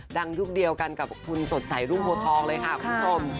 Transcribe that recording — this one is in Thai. ยุคเดียวกันกับคุณสดใสรุ่งโพทองเลยค่ะคุณผู้ชม